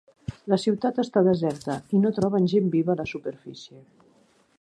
La ciutat està deserta, i no troben gent viva a la superfície.